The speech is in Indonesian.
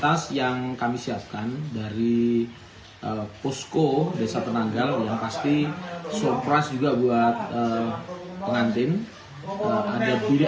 tas yang kami siapkan dari posko desa penanggal yang pasti surprise juga buat pengantin ada diri